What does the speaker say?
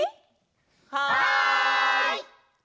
はい！